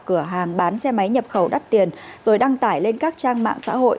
cửa hàng bán xe máy nhập khẩu đắt tiền rồi đăng tải lên các trang mạng xã hội